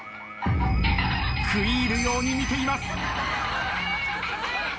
食い入るように見ています。